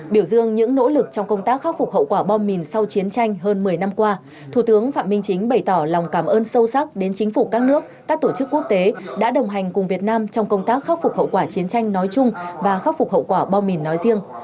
biểu dương những nỗ lực trong công tác khắc phục hậu quả bom mìn sau chiến tranh hơn một mươi năm qua thủ tướng phạm minh chính bày tỏ lòng cảm ơn sâu sắc đến chính phủ các nước các tổ chức quốc tế đã đồng hành cùng việt nam trong công tác khắc phục hậu quả chiến tranh nói chung và khắc phục hậu quả bom mìn nói riêng